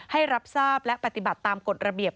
รับทราบและปฏิบัติตามกฎระเบียบ